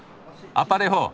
「アパレホ」